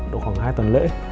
được khoảng hai tuần lễ